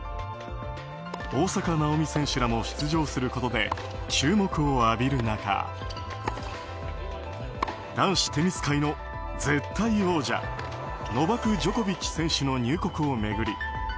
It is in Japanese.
大坂なおみ選手らも出場することで注目を浴びる中男子テニス界の絶対王者ノバク・ジョコビッチ選手の入国を巡り